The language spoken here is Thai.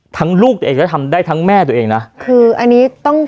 ลูกตัวเองและทำได้ทั้งแม่ตัวเองนะคืออันนี้ต้อง